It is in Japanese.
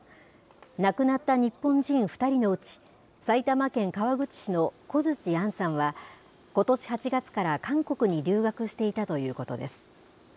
亡くなった日本人２人のうち、埼玉県川口市の小槌杏さんは、ことし８月から韓国に留学していたということです。